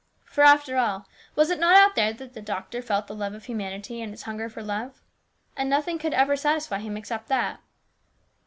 For, after all, was it not out there that the doctor felt the love of humanity and its hunger for love? And nothing could ever satisfy him except that.